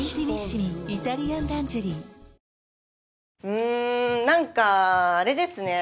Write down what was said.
うん何かあれですね。